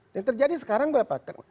yang terjadi sekarang berapa